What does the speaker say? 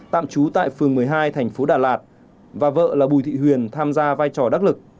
tạm trú tại phường một mươi hai thành phố đà lạt và vợ là bùi thị huyền tham gia vai trò đắc lực